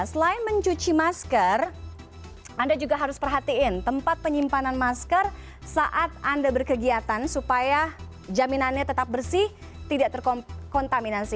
selain mencuci masker anda juga harus perhatiin tempat penyimpanan masker saat anda berkegiatan supaya jaminannya tetap bersih tidak terkontaminasi